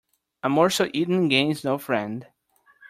A morsel eaten gains no friend.